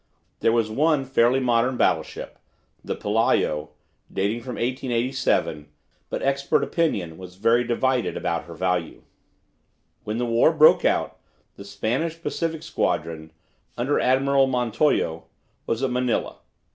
There was one fairly modern battleship, the "Pelayo," dating from 1887, but expert opinion was very divided about her value. When the war broke out the Spanish Pacific Squadron, under Admiral Montojo, was at Manila.